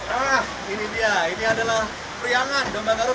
ah ini dia ini adalah periangan domba garut